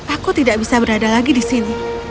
aku tidak bisa berada lagi di sini